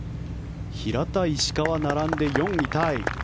平田、石川並んで４位タイ。